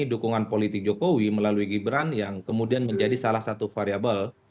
dukungan politik jokowi melalui gibran yang kemudian menjadi salah satu variable